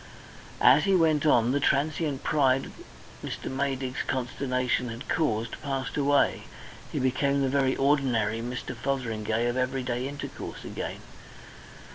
As he went on, the transient pride Mr. Maydig's consternation had caused passed away; he became the very ordinary Mr. Fotheringay of everyday intercourse again.